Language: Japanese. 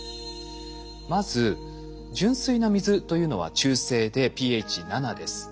まず純粋な水というのは中性でｐＨ７です。